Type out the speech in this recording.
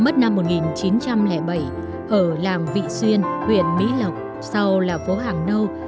trần thế sương huyện mỹ lộc sau là phố hàng nâu